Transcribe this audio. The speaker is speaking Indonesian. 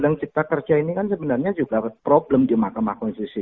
nah uu cipta kerja ini kan sebenarnya juga problem di makamah konstitusi